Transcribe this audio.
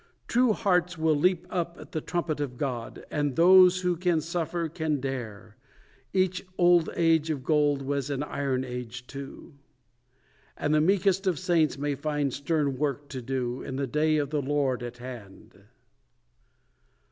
True hearts will leap up at the trumpet of God, And those who can suffer, can dare. Each old age of gold was an iron age too, And the meekest of saints may find stern work to do, In the Day of the Lord at hand.